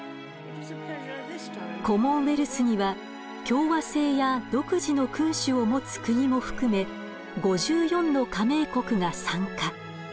コモンウェルスには共和制や独自の君主を持つ国も含め５４の加盟国が参加。